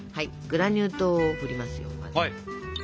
グラニュー糖をふりますよ。